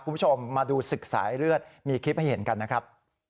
คุณผู้ชมมาดูศึกสายเลือดมีคลิปให้เห็นกันนะครับ